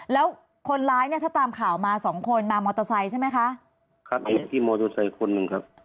แล้วคนร้ายเนี่ยถ้าตามข่าวมาสองคนมามอเตอร์ไซค์ใช่ไหมคะครับเห็นที่มอเตอร์ไซค์คนหนึ่งครับ